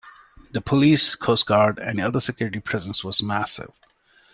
The police, Coast Guard, and other security presence was massive.